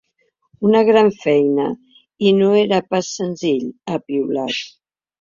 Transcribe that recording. Una gran feina i no era pas senzill, ha piulat.